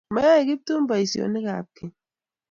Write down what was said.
Mayoe Kiptum poisyonik ap keny.